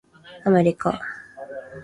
アメリカ